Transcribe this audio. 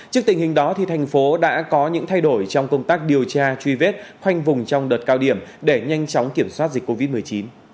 trước tình hình đó thành phố đã có những thay đổi trong công tác điều tra truy vết khoanh vùng trong đợt cao điểm để nhanh chóng kiểm soát dịch covid một mươi chín